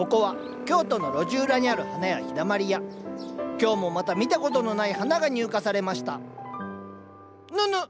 今日もまた見たことのない花が入荷されましたぬぬっ？